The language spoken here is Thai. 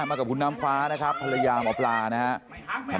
มากับคุณน้ำฟ้านะครับภรรยาหมอปลานะครับ